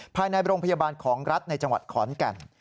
ภายในโรงพยาบาลของรัฐในจังหวัดขอนแก่น